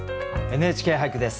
「ＮＨＫ俳句」です。